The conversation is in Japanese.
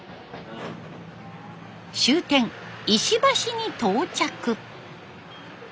終点石橋に到着。